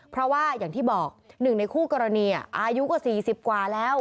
เพราะว่าอย่างที่บอก๑ในคู่กรณีอายุกว่า๔๐กว่าแล้ว